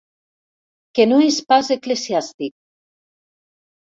Que no és pas eclesiàstic.